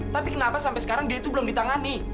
tapi kenapa sampai sekarang dia itu belum ditangani